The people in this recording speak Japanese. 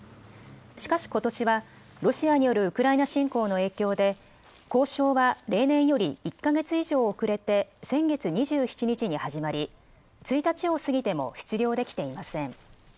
しかしことしはロシアによるウクライナ侵攻の影響で交渉は例年より１か月以上遅れて先月２７日に始まり１日を過ぎても出漁できていません。